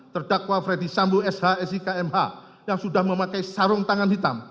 terdakwa ferdi sambo shsi kmh yang sudah memakai sarung tangan hitam